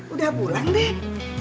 udah pulang dan